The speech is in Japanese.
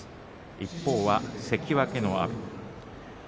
一方、関脇の阿炎。